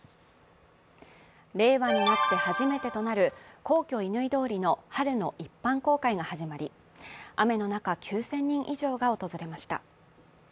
令和になって初めてとなる皇居・乾通りの春の一般公開が始まり、雨の中、９０００人以上が訪れました。